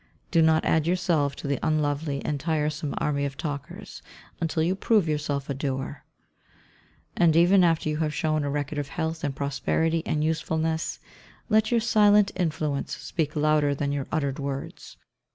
Do not add yourself to the unlovely and tiresome army of talkers, until you prove yourself a doer. And even after you have shown a record of health and prosperity and usefulness, let your silent influence speak louder than your uttered words.